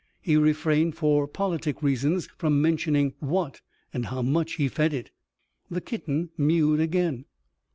He refrained, for politic reasons, from mentioning what and how much he fed it. The kitten mewed again.